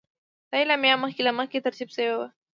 دا اعلامیه مخکې له مخکې ترتیب شوې وه.